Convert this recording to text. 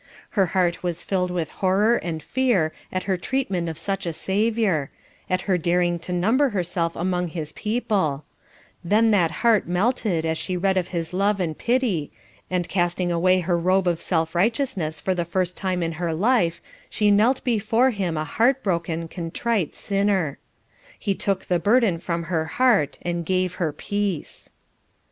Her heart was filled with horror and fear at her treatment of such a Saviour; at her daring to number herself among his people; then that heart melted as she read of his love and pity, and casting away her robe of self righteousness for the first time in her life, she knelt before Him a heart broken, contrite sinner. He took the burden from her heart and gave her "peace."